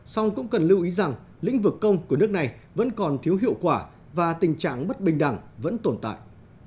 song cũng cần lưu ý rằng lĩnh vực công của nước này vẫn còn thiếu hiệu quả và tình trạng bất bình đẳng vẫn tồn tại